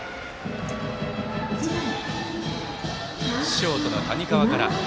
ショートの谷川から。